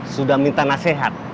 sudah minta nasehat